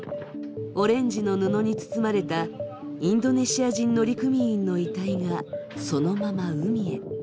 オレンジの布に包まれたインドネシア人乗組員の遺体がそのまま海へ。